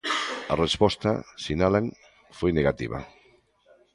A resposta, sinalan, foi negativa.